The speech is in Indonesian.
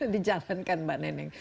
dijalankan mbak nenek